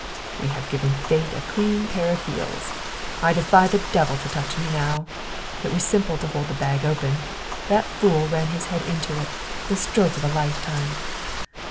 "We have given Fate a clean pair of heels. I defy the Devil to touch me now. It was simply to hold the bag open. That fool ran his head into it. The stroke of a lifetime!